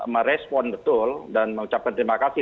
merespon betul dan mengucapkan terima kasih